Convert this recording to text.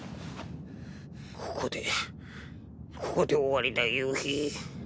ここでここで終わりだ夕日。